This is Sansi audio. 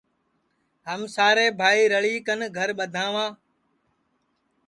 ہم سارے بھائی رَݪی کن گھرا ٻدھاواں